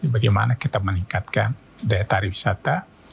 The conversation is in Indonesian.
bagaimana kita meningkatkan daya tarik wisata